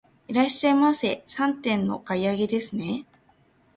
いらっしゃいませ、三点のお買い上げですね。